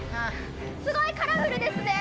すごいカラフルですね。